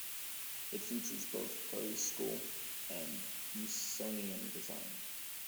It features both Prairie School and Usonian design.